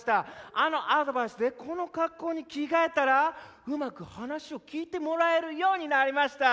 あのアドバイスでこの格好に着替えたらうまく話を聞いてもらえるようになりました。